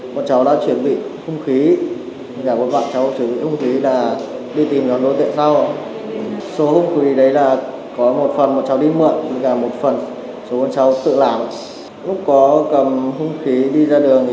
bọn cháu là đi hôn nước thanh niên của nhóm đi hôn nước là vừa ra khỏi quán nước thì có một nhóm đối tượng